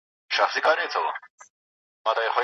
هند، چین، پاکستان او اندونیزیا کې د بورې خوراک زیاتېږي.